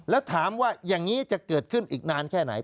แล้วถามว่าอย่างนี้จะเกิดขึ้นอีกนานแค่ไหน